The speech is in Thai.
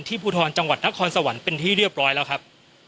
ภูทรจังหวัดนครสวรรค์เป็นที่เรียบร้อยแล้วครับ